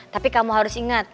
tapi kamu harus ingat